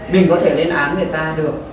mình có thể lên án người ta được